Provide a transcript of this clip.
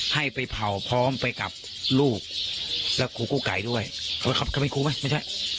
ให้ไปเผาพร้อมไปกับลูกและกุ๊กไก่ด้วย